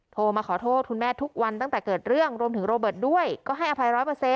โทรมาขอโทษคุณแม่ทุกวันตั้งแต่เกิดเรื่องรวมถึงโรเบิร์ตด้วยก็ให้อภัย๑๐๐